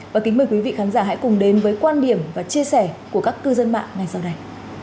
và kính mời quý vị khán giả hãy cùng đến với quan điểm và chia sẻ của các cư dân mạng ngày sau đây